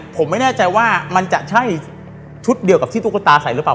ผมไม่แน่ใจว่ามันจะใช่ชุดเดียวกับที่ตุ๊กตาใส่หรือเปล่า